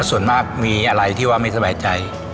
ส่วนมากมีอะไรที่ว่าไม่สบายใจ